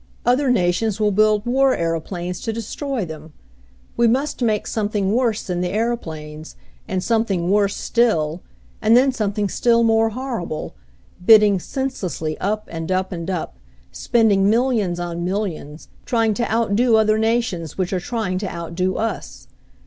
Other nations will build war aeroplanes to destroy them. We must make something worse than the aeroplanes, and something worse still, and then something still more horrible, bidding senselessly up and up and up, spending millions on millions, trying to outdo other nations which are trying to outdo us.